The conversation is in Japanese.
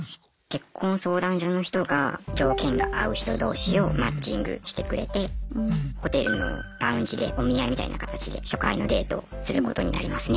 結婚相談所の人が条件が合う人同士をマッチングしてくれてホテルのラウンジでお見合いみたいな形で初回のデートをすることになりますね。